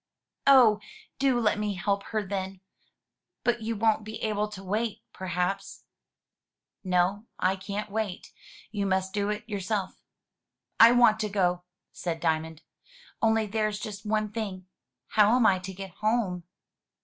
"Oh! do let me help her, then. But you won't be able to wait, perhaps?" 431 M Y BOOK HOUSE No, I can't wait; you must do it yourself/' I want to go," said Diamond. "Only there's just one thing— how am I to get home?"